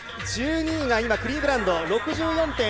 １２位が今、クリーブランド。